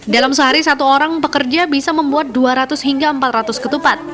dalam sehari satu orang pekerja bisa membuat dua ratus hingga empat ratus ketupat